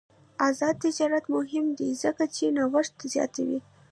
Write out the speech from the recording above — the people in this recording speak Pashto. آزاد تجارت مهم دی ځکه چې نوښت زیاتوي.